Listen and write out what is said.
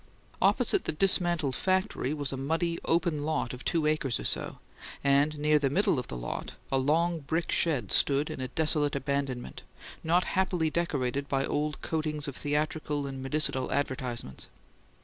Opposite the dismantled factory was a muddy, open lot of two acres or so, and near the middle of the lot, a long brick shed stood in a desolate abandonment, not happily decorated by old coatings of theatrical and medicinal advertisements.